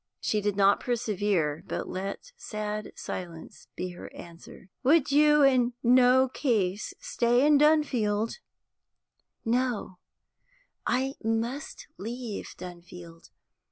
She did not persevere, but let sad silence be her answer. 'Would you in no case stay in Dunfield?' 'No; I must leave Dunfield.